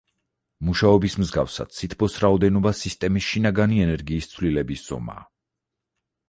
მუშაობის მსგავსად სითბოს რაოდენობა სისტემის შინაგანი ენერგიის ცვლილების ზომაა.